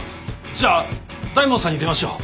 じゃあ大門さんに電話しよう。